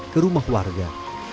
ke rumah warga